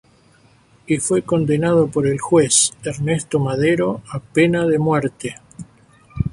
Y fue condenado por el juez, Ernesto Madero, a pena de muerte.